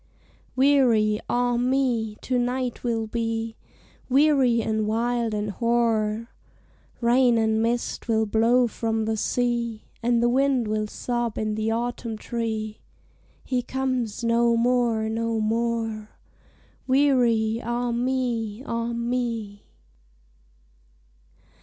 Weary, ah me! to night will be, Weary and wild and hoar; Rain and mist will blow from the sea, And the wind will sob in the autumn tree, "_He comes no more, no more. Weary, ah me! ah me!